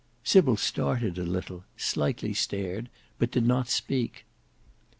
Sybil started a little, slightly stared, but did not speak.